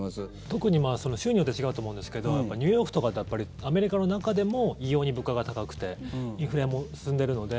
特に州によって違うと思うんですけどニューヨークとかってアメリカの中でも異様に物価が高くてインフレも進んでいるので。